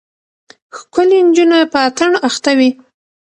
ښکلې نجونه په اتڼ اخته وې.